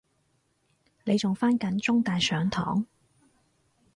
你仲返緊中大上堂？